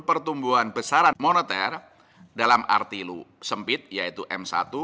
pertumbuhan besaran moneter dalam arti sempit yaitu m satu